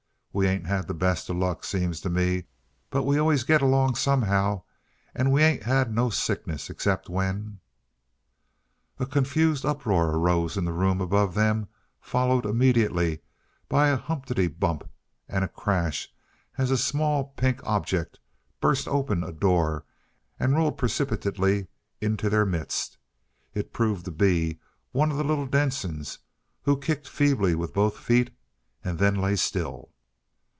We ain't had the best uh luck, seems t' me, but we always git along somehow, an' we ain't had no sickness except when " A confused uproar arose in the room above them, followed, immediately by a humpety bump and a crash as a small, pink object burst open a door and rolled precipitately into their midst. It proved to be one of the little Densons, who kicked feebly with both feet and then lay still.